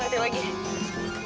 masuk kuliah dulu